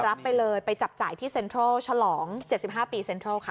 รับไปเลยไปจับจ่ายที่เซ็นทรัลฉลอง๗๕ปีเซ็นทรัลค่ะ